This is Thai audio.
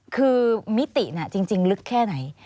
คือมิติจริงลึกแค่ไหน